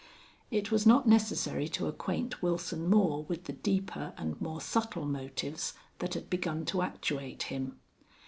It was not necessary to acquaint Wilson Moore with the deeper and more subtle motives that had begun to actuate him.